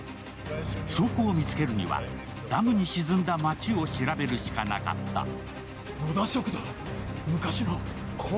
証拠を見つけるには、ダムに沈んだ街を調べるしかなかった。